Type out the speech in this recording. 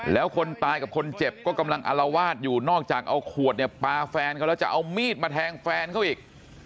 แล้วคนตายกับคนเจ็บก็กำลังอารวาสอยู่นอกจากเอาขวดเนี่ยปลาแฟนเขาแล้วจะเอามีดมาแทงแฟนเขาอีก